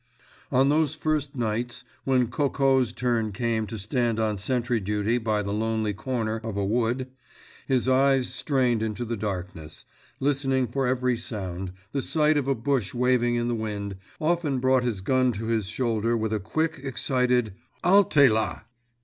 On those first nights, when Coco's turn came to stand on sentry duty by the lonely corner of a wood, his eyes strained into the darkness, listening for every sound, the sight of a bush waving in the wind often brought his gun to his shoulder with a quick, excited "_Halte là!